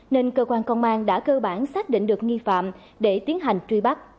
nên cơ quan công an đã cơ bản xác định được nghi phạm để tiến hành truy bắt